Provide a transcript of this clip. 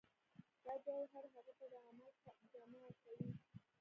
دا جوهر هغه ته د عمل جامه ورکوي